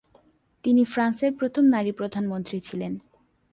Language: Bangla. তিনি ফ্রান্সের প্রথম নারী প্রধানমন্ত্রী ছিলেন।